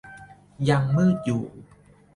ยังมืดอยู่